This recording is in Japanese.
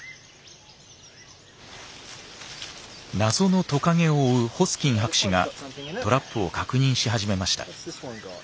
謎のトカゲを追うホスキン博士がトラップを確認し始めました。